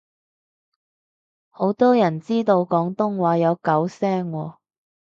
好多人知道廣東話有九聲喎